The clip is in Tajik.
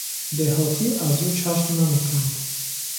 Деҳотӣ аз ӯ чашм намеканд.